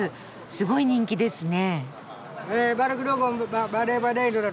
すごい人気ですね。